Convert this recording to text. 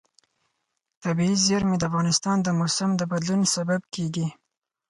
طبیعي زیرمې د افغانستان د موسم د بدلون سبب کېږي.